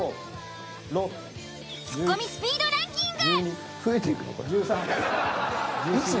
ツッコミスピードランキング！